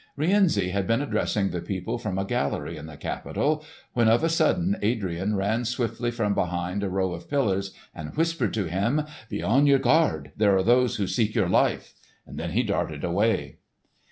Rienzi had been addressing the people from a gallery in the Capitol, when of a sudden Adrian ran swiftly from behind a row of pillars and whispered to him, "Be on your guard! There are those who seek your life!" Then he darted away.